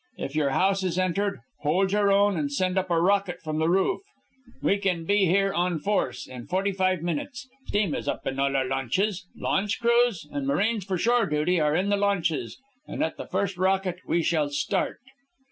If your house is entered, hold your own and send up a rocket from the roof. We can be here in force, in forty five minutes. Steam is up in all our launches, launch crews and marines for shore duty are in the launches, and at the first rocket we shall start."